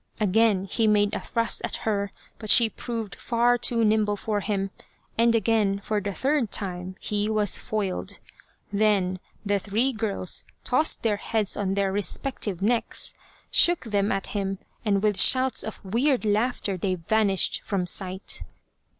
Again he made a thrust at her, but she proved far too nimble for him, and again, for the third time, he was foiled. Then the three girls tossed their heads on their 270 The Badger Haunted Temple respective necks, shook them at him, and with shouts of weird laughter they vanished from sight.